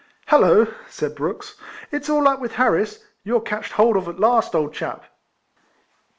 "Hallo?" said Brooks, "it's all up with Harris ! You're catched hold of at last, old chap."